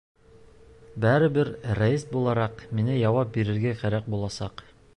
— Барыбер рәйес булараҡ миңә яуап бирергә кәрәк буласаҡ.